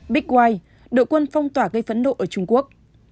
big white đội quân phong tỏa gây phẫn nộ ở trung quốc